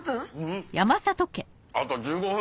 あと１５分！